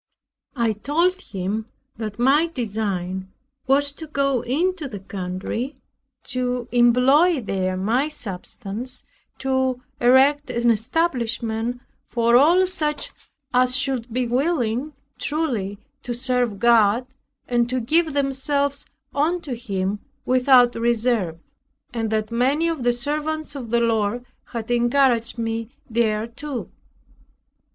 I told him, that "my design was to go into the country, to employ there my substance, to erect an establishment for all such as should be willing truly to serve God, and to give themselves unto him without reserve; and that many of the servants of the Lord had encouraged me thereto."